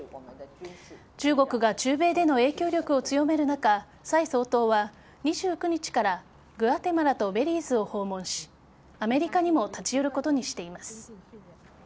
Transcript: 中国が中米での影響力を強める中蔡総統は２９日からグアテマラとベリーズを訪問しアメリカにも立ち寄ることにしています。